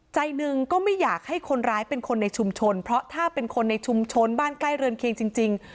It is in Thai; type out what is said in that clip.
ใจหนึ่งก็ไม่อยากให้คนร้ายเป็นคนในชุมชนเพราะถ้าเป็นคนในชุมชนบ้านใกล้เรือนเคียงจริง